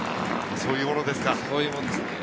そういうものですね。